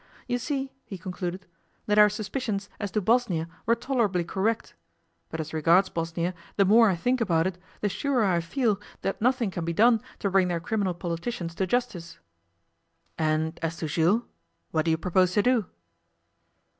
'You see,' he concluded, 'that our suspicions as to Bosnia were tolerably correct. But as regards Bosnia, the more I think about it, the surer I feel that nothing can be done to bring their criminal politicians to justice.' 'And as to Jules, what do you propose to do?